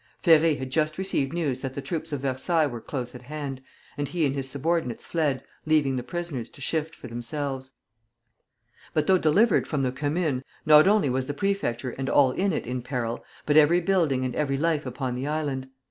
Ferré had just received news that the troops of Versailles were close at hand, and he and his subordinates fled, leaving the prisoners to shift for themselves. [Footnote 1: Le Figaro.] But though delivered from the Commune, not only was the Prefecture and all in it in peril, but every building and every life upon the island.